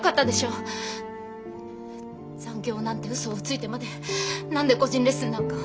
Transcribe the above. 残業なんてうそをついてまで何で個人レッスンなんか。